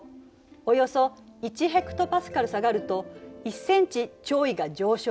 およそ１ヘクトパスカル下がると１センチ潮位が上昇するの。